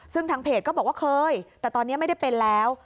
ซึ่งทางเพจก็บอกว่าเคยแต่ตอนนี้ไม่ได้เป็นแล้ว